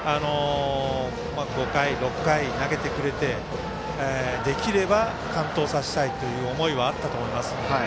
５回、６回投げてくれてできれば完投させたいという思いはあったと思います。